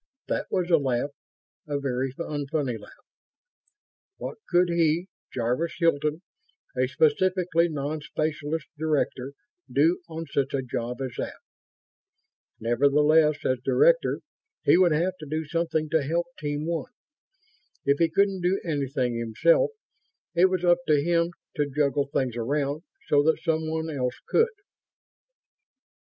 That was a laugh. A very unfunny laugh. What could he, Jarvis Hilton, a specifically non specialist director, do on such a job as that? Nevertheless, as director, he would have to do something to help Team One. If he couldn't do anything himself, it was up to him to juggle things around so that someone else could.